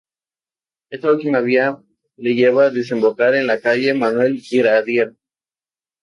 Esta última vía le lleva a desembocar en la Calle Manuel Iradier.